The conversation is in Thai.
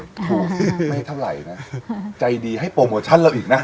ถูกไม่เท่าไรนะใจดีให้โปรโมชั่นแล้วอีกนะ